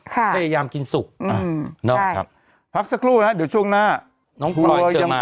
พยายามกินสุกพักสักครู่นะเดี๋ยวช่วงหน้าน้องพลอยจะมา